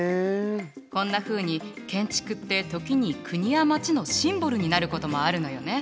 こんなふうに建築って時に国や町のシンボルになることもあるのよね。